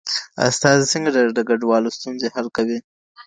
استازي څنګه د کډوالو ستونزي حل کوي؟